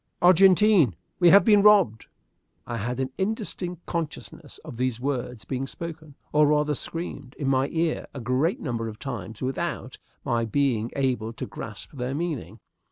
"Argentine, we have been robbed!" I had an indistinct consciousness of these words being spoken, or rather screamed, in my ear a great number of times without my being able to grasp their meaning.